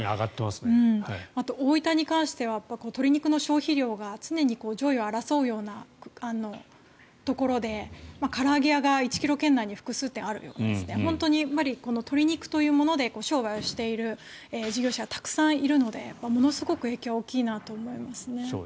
あと大分に関しては鶏肉の消費量が常に上位を争うようなところでから揚げ屋が１ｋｍ圏内に複数あって鶏肉で商売している事業者はたくさんいるのでものすごく影響は大きいなと思いますね。